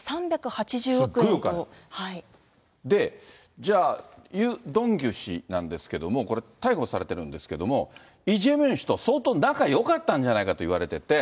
じゃあ、ユ・ドンギュ氏なんですが、これ、逮捕されてるんですけども、イ・ジェミョン氏と相当仲よかったんじゃないかと言われていて。